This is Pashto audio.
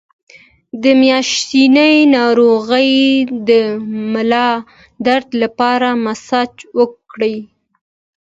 د میاشتنۍ ناروغۍ د ملا درد لپاره مساج وکړئ